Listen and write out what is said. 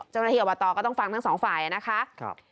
เจ้าหน้าที่อาวาตอก็ต้องฟังทั้งสองฝ่ายอะนะคะครับ